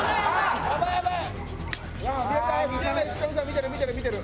見てる見てる見てる。